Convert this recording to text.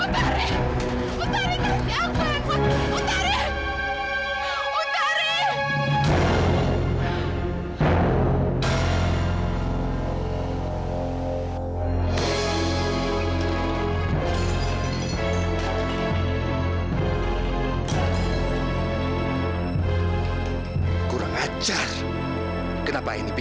tari kasih aku handphone